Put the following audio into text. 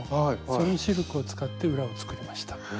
そのシルクを使って裏を作りました。